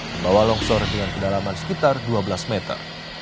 membawa longsor dengan kedalaman sekitar dua belas meter